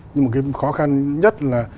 nhưng mà cái khó khăn nhất là